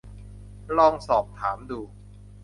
ลองสอบถามดู